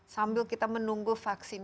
sambil kita menunggu vaksin